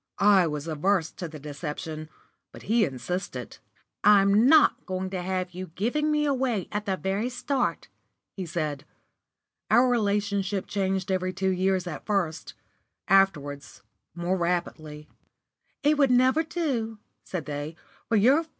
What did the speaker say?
I was averse to the deception, but he insisted. "I'm not going to have you giving me away at the very start," he said. Our relationship changed every two years at first; afterwards, more rapidly.